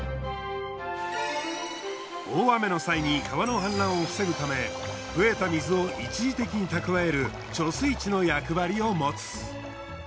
大雨の際に川の氾濫を防ぐため増えた水を一時的に蓄える貯水池の役割をもつ。